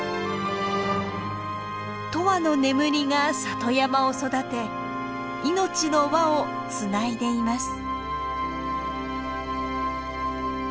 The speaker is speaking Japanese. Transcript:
永遠の眠りが里山を育て命の輪をつないでいます。